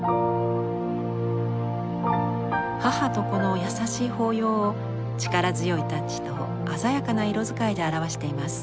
母と子の優しい抱擁を力強いタッチと鮮やかな色使いで表しています。